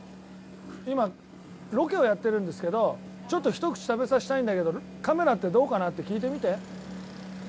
今ロケをやってるんですけどちょっとひと口食べさせたいんだけどカメラってどうかなって聞いてみて。